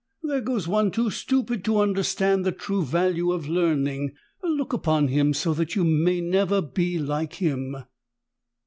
There goes one too stupid to understand the true value of learning! Look upon him, so that you may never be like him!"